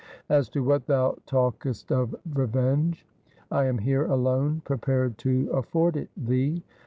As to what thou talkest of revenge, I am here alone prepared to afford it thee.